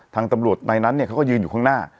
ทางตำรวจในนั้นเขาก็ยืนอยู่ข้างหน้า